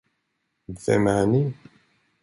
Vem är ni?